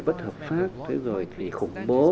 vất hợp pháp thế rồi thì khủng bố